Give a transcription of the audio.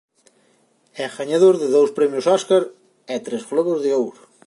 É gañador de dous Premios Óscar e tres Globos de Ouro.